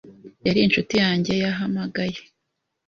Yari inshuti yanjye yahamagaye.